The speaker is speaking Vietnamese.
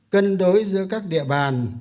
cân đối giữa các địa bàn